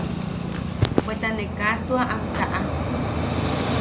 Bweta ne kaa tua am taʼa.